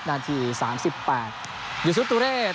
นาที๓๘อยู่สุดตุเรศ